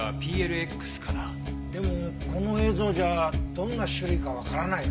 でもこの映像じゃどんな種類かわからないよね？